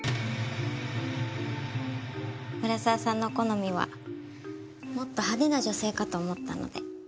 村沢さんの好みはもっと派手な女性かと思ったので。